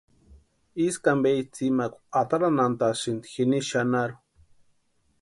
Ísku ampe itsïmakwa atarantʼanhasïnti jini xanharhu.